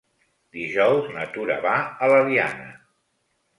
Dijous na Tura va a l'Eliana.